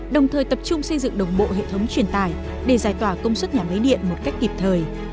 đồng thời tập trung xây dựng đồng bộ hệ thống truyền tải để giải tỏa công suất nhà máy điện một cách kịp thời